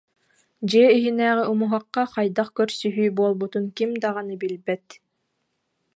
Дьиэ иһинээҕи умуһахха хайдах көрсүһүү буолбутун ким даҕаны билбэт